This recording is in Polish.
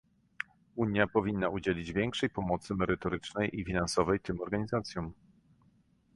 Unia powinna udzielić większej pomocy merytorycznej i finansowej tym organizacjom